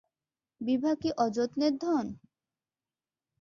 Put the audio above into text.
বিভা কি অযত্নের ধন!